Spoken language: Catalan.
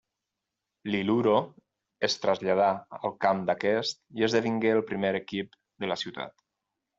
L'Iluro es traslladà al camp d'aquest i esdevingué el primer equip de la ciutat.